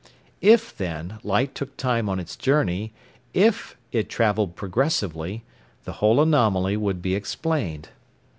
If, then, light took time on its journey, if it travelled progressively, the whole anomaly would be explained.